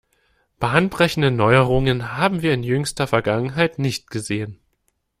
Bahnbrechende Neuerungen haben wir in jüngster Vergangenheit nicht gesehen.